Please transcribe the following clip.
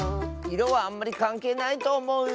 いろはあんまりかんけいないとおもう。